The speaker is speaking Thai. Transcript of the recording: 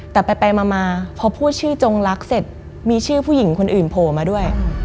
แต่ไปมาพอพูดชื่อจงรักเสร็จมีชื่อผู้หญิงคนอื่นโผล่มาด้วย